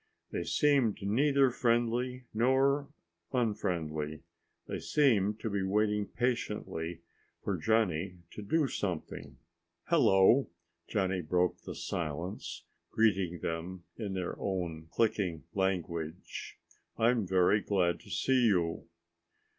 They seemed neither friendly nor unfriendly. They seemed to be waiting patiently for Johnny to do something. "Hello," Johnny broke the silence, greeting them in their own clicking language. "I am very glad to see you."